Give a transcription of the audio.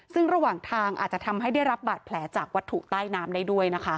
ซึ่งระหว่างทางอาจจะทำให้ได้รับบาดแผลจากวัตถุใต้น้ำได้ด้วยนะคะ